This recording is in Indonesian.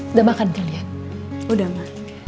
udah makan kalian udah mah